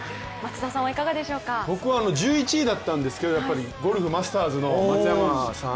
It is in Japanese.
僕は１１位だったんですけれども、ゴルフ・マスターズの松山さん。